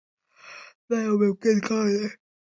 دا یو ممکن کار دی.